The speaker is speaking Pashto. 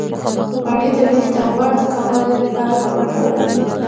غوړې د وینې د غوړ د کمولو لپاره هم ګټورې دي.